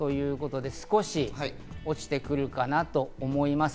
少し落ちてくるかなと思います。